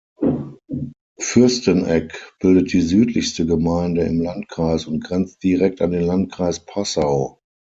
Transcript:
Fürsteneck bildet die südlichste Gemeinde im Landkreis und grenzt direkt an den Landkreis Passau.